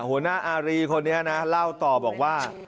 หัวหน้าอารีคนนี้นะเล่าต่อบอกว่า